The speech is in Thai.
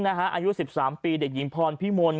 อายุ๑๓ปีเด็กหญิงพรพิมล